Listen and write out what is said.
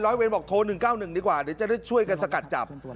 เวรบอกโทร๑๙๑ดีกว่าเดี๋ยวจะได้ช่วยกันสกัดจับ